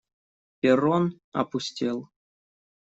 Перрон опустел.